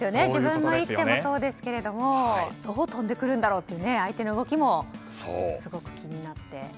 自分の一手もそうですがどこで飛んでくるんだろうという相手の動きもすごく気になって。